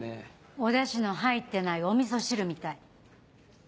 お出汁の入ってないお味噌汁みたい。